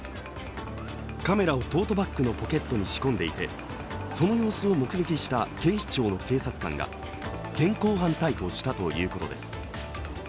カメラをトートバッグのポケットに仕込んでいてその様子を目撃した警視庁の警察官が現行犯逮捕したということです。